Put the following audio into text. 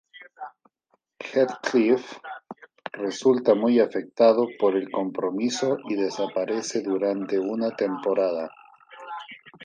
Heathcliff resulta muy afectado por el compromiso y desaparece durante una temporada.